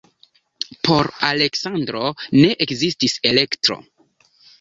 Por Aleksandro ne ekzistis elekto.